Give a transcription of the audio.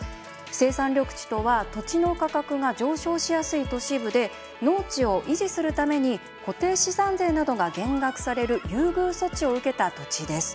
生産緑地とは土地の価格が上昇しやすい都市部で農地を維持するために固定資産税などが減額される優遇措置を受けた土地です。